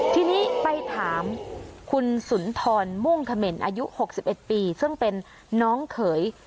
ทีนี้ไปถามคุณสุนทรมุ่งเขม่นอายุ๖๑ปีซึ่งเป็นน้องเขย